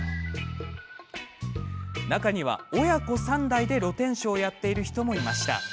中には、親子３代で露店商をやっている方もいました。